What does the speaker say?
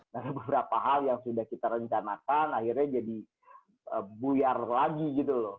nah beberapa hal yang sudah kita rencanakan akhirnya jadi buyar lagi gitu loh